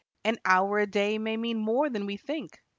An hour a day may mean more than we think.